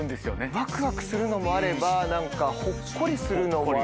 ワクワクするのもあれば何かほっこりするのもある。